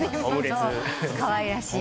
かわいらしい。